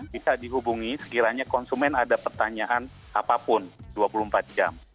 bisa dihubungi sekiranya konsumen ada pertanyaan apapun dua puluh empat jam